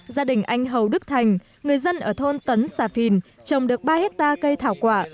gia đình anh hầu đức thành người dân ở thôn tấn xà phìn trồng được ba hectare cây thảo quả